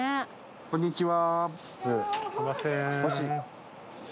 こんにちは。